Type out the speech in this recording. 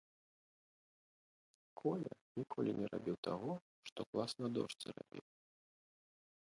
Коля ніколі не рабіў таго, што клас на дошцы рабіў.